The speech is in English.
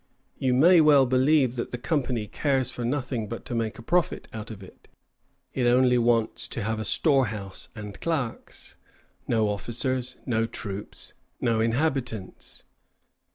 "You may well believe that the company cares for nothing but to make a profit out of it. It only wants to have a storehouse and clerks; no officers, no troops, no inhabitants.